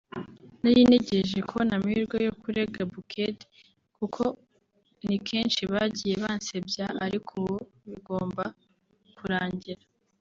“Nari ntegereje kubona amahirwe yo kurega Bukedde kuko ni kenshi bagiye bansebya ariko ubu bigomba kurangira